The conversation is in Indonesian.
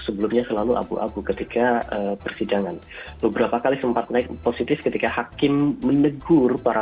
sebelumnya selalu abu abu ketika persidangan beberapa kali sempat naik positif ketika hakim menegur para